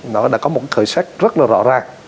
nó đã có một khởi sách rất là rõ ràng